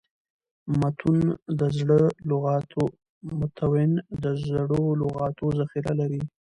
متون د زړو لغاتو ذخیره لري.